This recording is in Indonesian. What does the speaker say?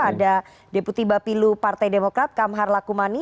ada deputi bapilu partai demokrat kam harlakumani